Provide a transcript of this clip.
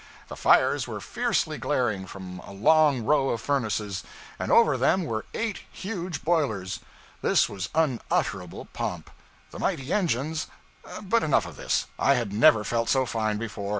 The fires were fiercely glaring from a long row of furnaces, and over them were eight huge boilers! This was unutterable pomp. The mighty engines but enough of this. I had never felt so fine before.